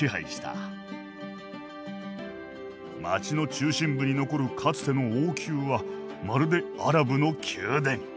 街の中心部に残るかつての王宮はまるでアラブの宮殿。